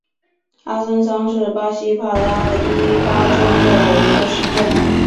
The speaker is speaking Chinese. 阿孙桑是巴西帕拉伊巴州的一个市镇。